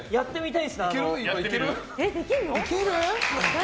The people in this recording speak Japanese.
いける？